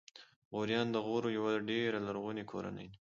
غوریان د غور یوه ډېره لرغونې کورنۍ ده.